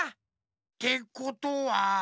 ってことは。